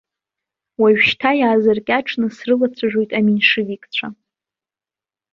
Уажәшьҭа иаазыркьаҿны срылацәажәоит аменшевикцәа.